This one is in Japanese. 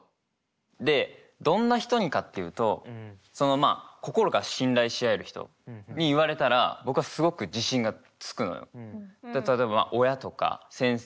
でどんな人にかって言うとそのまあ心から信頼し合える人に言われたら僕はすごく自信がつくのよ例えば親とか先生